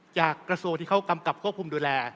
กระทรวงที่เขากำกับควบคุมดูแล